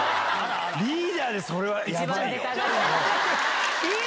リーダーでそれはやばいよ。